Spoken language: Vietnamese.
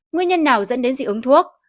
nguyên nhân nào dẫn đến dị ứng thuốc